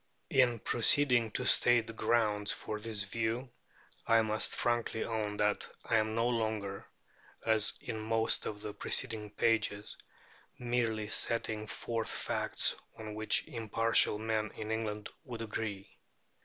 In proceeding to state the grounds for this view, I must frankly own that I am no longer (as in most of the preceding pages) merely setting forth facts on which impartial men in England would agree.